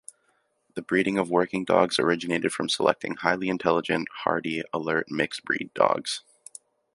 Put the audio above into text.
The breeding of working dogs originated from selecting highly intelligent, hardy, alert mixed-breed dogs.